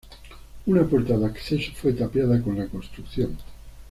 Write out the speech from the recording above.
Una puerta de acceso fue tapiada con la construcción.